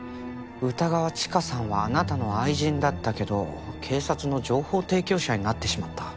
歌川チカさんはあなたの愛人だったけど警察の情報提供者になってしまった。